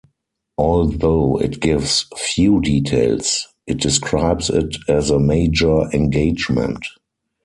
Although it gives few details, it describes it as a major engagement.